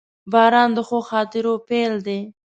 • باران د ښو خاطرو پیل دی.